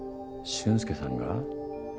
・俊介さん。